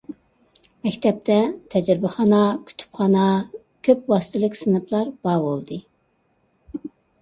مەكتەپتە تەجرىبىخانا، كۇتۇپخانا، كۆپ ۋاسىتىلىك سىنىپلار بار بولدى.